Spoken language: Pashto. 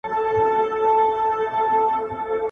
هم باغوان هم به مزدور ورته په قار سو ..